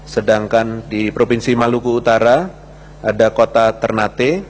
sedangkan di provinsi maluku utara ada kota ternate